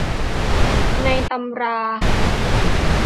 ในตำรา